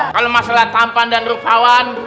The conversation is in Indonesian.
kalau masalah tampan dan rupawan